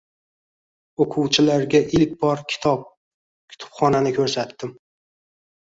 Oʻquvchilarga ilk bor kitob, kutubxonani ko’rsatdim.